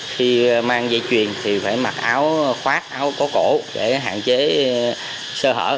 khi mang dây chuyền thì phải mặc áo khoác áo có cổ để hạn chế sơ hở